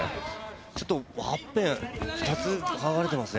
ちょっとワッペン２つ剥がれていますね。